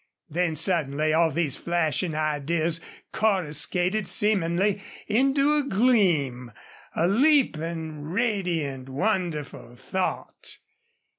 Then suddenly all these flashing ideas coruscated seemingly into a gleam a leaping, radiant, wonderful thought.